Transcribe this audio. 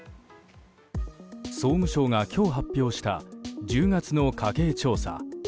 総務省が今日発表した１０月の家計調査。